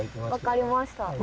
わかりました。